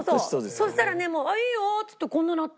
そしたらねもう「あっいいよ！」っつってこんななって。